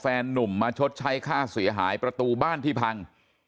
นุ่มมาชดใช้ค่าเสียหายประตูบ้านที่พัง